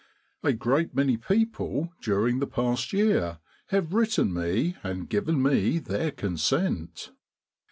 A great many people during the past year have written me and given me their consent.